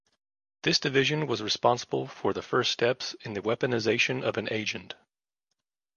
This division was responsible for the first steps in the weaponization of an agent.